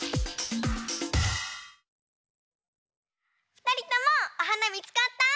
ふたりともおはなみつかった？